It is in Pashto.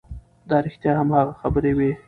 دا رښتیا هم هغه خبرې وې